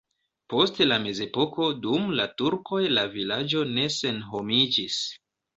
Post la mezepoko dum la turkoj la vilaĝo ne senhomiĝis.